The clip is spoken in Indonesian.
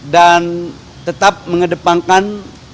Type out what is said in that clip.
dan tetap mengedepankan hak hak yang diperlukan